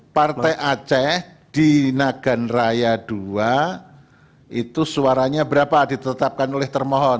partai aceh di nagan raya ii itu suaranya berapa ditetapkan oleh termohon